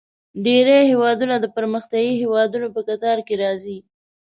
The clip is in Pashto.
ډیری هیوادونه د پرمختیايي هیوادونو په کتار کې راځي.